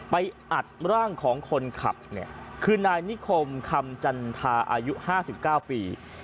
อัดร่างของคนขับเนี่ยคือนายนิคมคำจันทาอายุ๕๙ปี